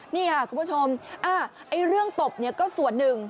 นี่ค่ะคุณผู้ชมเรื่องตบเนี่ยก็ส่วนหนึ่ง